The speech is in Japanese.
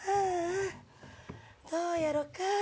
どうやろか？